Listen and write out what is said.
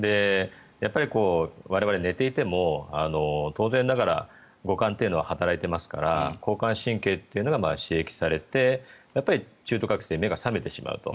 やっぱり我々寝ていても当然ながら五感というのは働いていますから交感神経というのが刺激されて中途覚醒、目が覚めてしまうと。